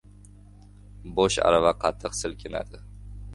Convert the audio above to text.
• Bo‘sh arava qattiq silkinadi.